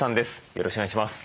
よろしくお願いします。